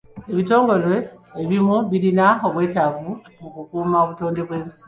Ebitongole ebimu birina obwetaavu mu kukuuma obutonde bw'ensi.